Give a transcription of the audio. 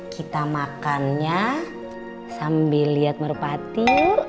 kita makannya sambil lihat merpati